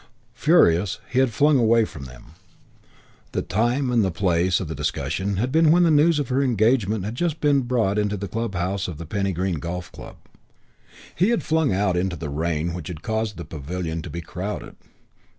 Furious, he had flung away from them. The time and the place of the discussion had been when the news of her engagement had just been brought into the clubhouse of the Penny Green Golf Club. He had flung out into the rain which had caused the pavilion to be crowded.